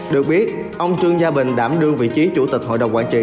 được biết ông trương gia bình đảm đương vị trí chủ tịch hội đồng quản trị